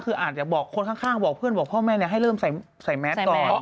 คืออาจจะบอกคนข้างบอกเพื่อนบอกพ่อแม่ให้เริ่มใส่แมสก่อน